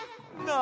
な